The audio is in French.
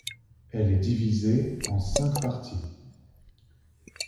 Elle est divisée en cinq parties.